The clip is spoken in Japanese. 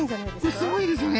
これすごいですよね。